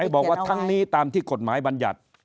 บอกว่าทั้งนี้ตามที่กฎหมายบรรยัติ